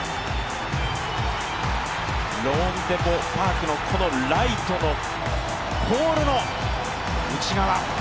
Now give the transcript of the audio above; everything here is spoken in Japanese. ローンデポ・パークのライトのポールの内側。